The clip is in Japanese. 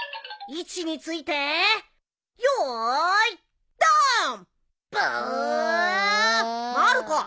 位置についてよいドンッ。